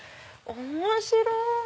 面白い！